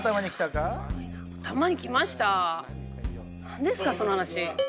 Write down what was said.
何ですかその話。